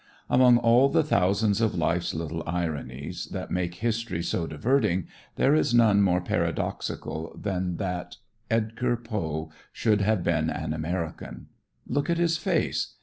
Among all the thousands of life's little ironies that make history so diverting, there is none more paradoxical than that Edgar Poe should have been an American. Look at his face.